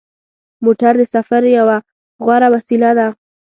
موټر د سفر یوه غوره وسیله ده.